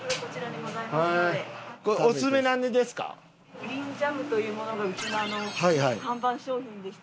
プリンジャムというものがうちの看板商品でして。